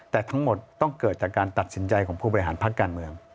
แต่ทั้งหมดต้องเกิดจากการตัดสินใจของผู้บริหารพักการเมือง